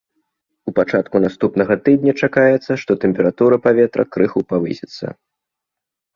У пачатку наступнага тыдня чакаецца, што тэмпература паветра крыху павысіцца.